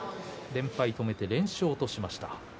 連敗止めて連勝としました。